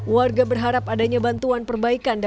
warga berharap adanya bantuan perbaikan